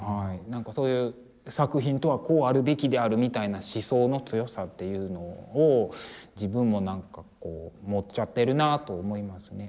なんかそういう作品とはこうあるべきであるみたいな思想の強さっていうのを自分もなんかこう持っちゃってるなと思いますね。